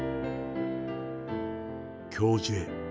教授へ。